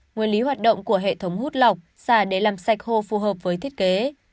nguyên lý hoạt động của hệ thống hút lọc xả để làm sạch hồ phù hợp với thiết kế